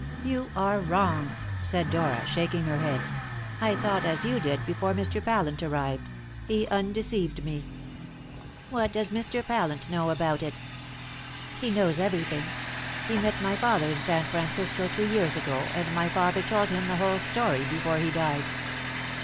"You are wrong," said Dora, shaking her head. "I thought as you did before Mr. Pallant arrived. He undeceived me." "What does Mr. Pallant know about it?" "He knows everything. He met my father in San Francisco two years ago, and my father told him the whole story before he died."